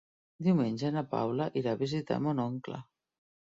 Diumenge na Paula irà a visitar mon oncle.